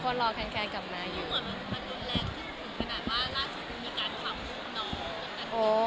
มันดูแรงขึ้นขนาดว่าราชินมีการขับทุกน้อง